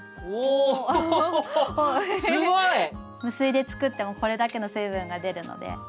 無水で作ってもこれだけの水分が出るので。